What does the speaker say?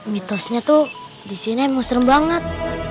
mitosnya tuh disini emang serem banget